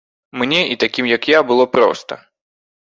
Мне і такім, як я было проста.